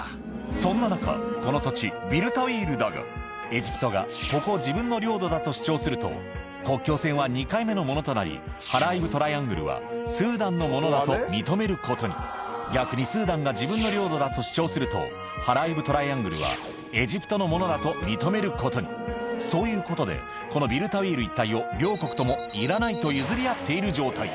そんな中この土地ビルタウィールだがエジプトがここを自分の領土だと主張すると国境線は２回目のものとなりハラーイブトライアングルはスーダンのものだと認めることに逆にスーダンが自分の領土だと主張するとハラーイブトライアングルはエジプトのものだと認めることにそういうことでこのビルタウィール一帯を両国ともいらないと譲り合っている状態